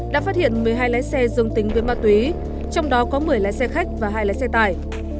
đã phát hiện một mươi hai lái xe dương tính với ma túy trong đó có một mươi lái xe khách và hai lái xe tải